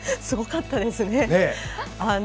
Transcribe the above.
すごかったですね。